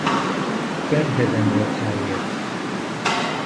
بەر دەدەنەوە تاوێر